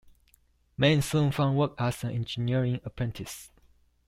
Mann soon found work as an engineering apprentice.